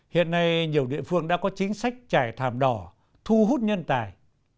hiện nay nhiều địa phương đã có chính sách trải thảm đỏ thu hút nhân tài